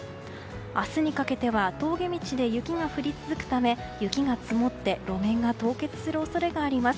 明日にかけては峠道で雪が降り続くため雪が積もって路面が凍結する恐れがあります。